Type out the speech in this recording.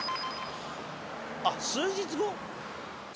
あっ数日後？